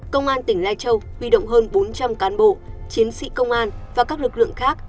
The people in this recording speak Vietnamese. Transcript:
công an tỉnh lai châu huy động hơn bốn trăm linh cán bộ chiến sĩ công an và các lực lượng khác